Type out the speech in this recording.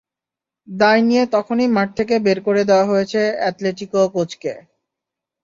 দায় নিয়ে তখনই মাঠ থেকে বের করে দেওয়া হয়েছে অ্যাটলেটিকো কোচকে।